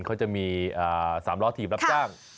เขาจะมี๓ล้อถีบรับจ้าง